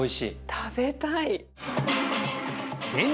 食べたい！